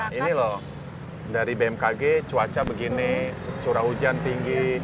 nah ini loh dari bmkg cuaca begini curah hujan tinggi